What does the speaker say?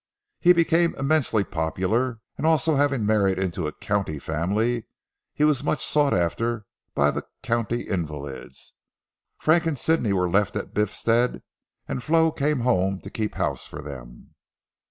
He became immensely popular, and also having married into a county family, he was much sought after by the county invalids. Frank and Sidney were left at Biffstead and Flo came home to keep house for them.